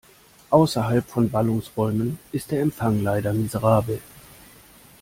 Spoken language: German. Außerhalb von Ballungsräumen ist der Empfang leider miserabel.